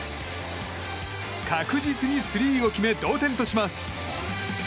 確実にスリーを決め同点とします。